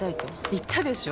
言ったでしょ？